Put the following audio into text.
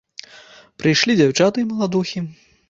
Прыйшлі дзяўчаты і маладухі.